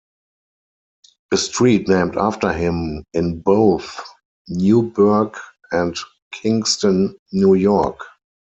A street named after him in both Newburgh and Kingston, New York.